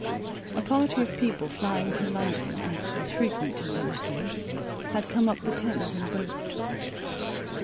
A party of people flying from London, as was frequent in those days, had come up the Thames in a boat.